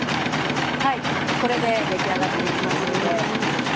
はいこれで出来上がっていきますんで。